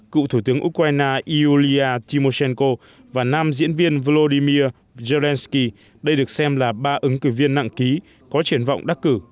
cựu thủ tướng ukraine iulia tymoshenko và nam diễn viên vladimir zelensky đây được xem là ba ứng cử viên nặng ký có triển vọng đắc cử